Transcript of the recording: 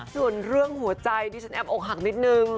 ส่วนเรื่องหัวใจดิฉันแอบอกหักนิดนึง